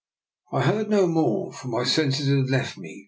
I heard no more, for my senses had left me.